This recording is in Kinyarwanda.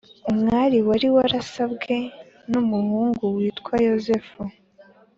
umwari wari warasabwen’umuhungu witwa yozefu